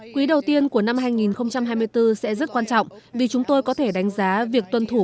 quý đầu tiên của năm hai nghìn hai mươi bốn sẽ rất quan trọng vì chúng tôi có thể đánh giá việc tuân thủ